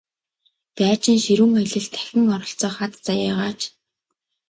Дайчин ширүүн аялалд дахин оролцох аз заяагаач!